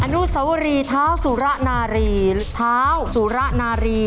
นุสวรีเท้าสุระนารีเท้าสุระนารี